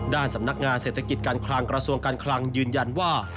สำนักงานเศรษฐกิจการคลังกระทรวงการคลังยืนยันว่า